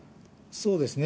そうですね。